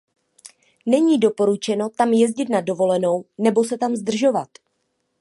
Není doporučeno tam jezdit na dovolenou nebo se tam zdržovat.